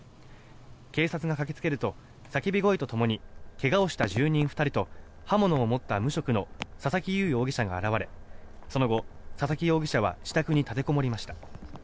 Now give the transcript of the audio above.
警察が駆けつけると叫び声とともに怪我をした住人２人と葉物を持った無職の佐々木祐容疑者が現れその後、佐々木容疑者は自宅に立てこもりました。